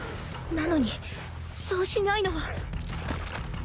なのにそうしないのは。